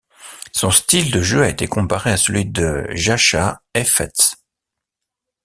Son style de jeu a été comparé à celui de Jascha Heifetz.